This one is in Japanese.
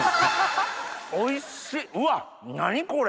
おいしっうわっ何これ。